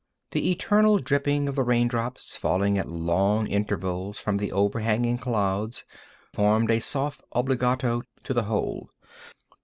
The eternal dripping of the raindrops falling at long intervals from the overhanging clouds formed a soft obbligato to the whole.